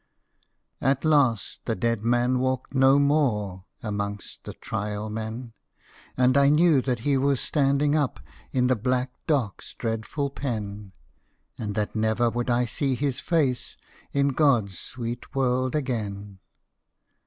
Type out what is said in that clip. At last the dead man walked no more Amongst the Trial Men, And I knew that he was standing up In the black dockâs dreadful pen, And that never would I see his face In Godâs sweet world again.